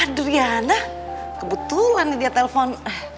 aduh riana kebetulan dia telpon